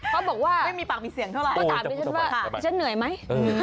เขาบอกว่าตอบเพื่อนฉันว่าที่ฉันเหนื่อยไหม